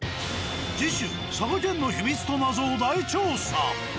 次週佐賀県の秘密と謎を大調査。